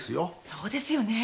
そうですよね。